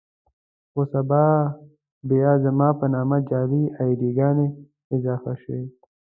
خو سبا بيا زما په نامه جعلي اې ډي ګانې اضافه شوې.